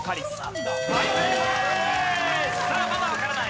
さあまだわからない。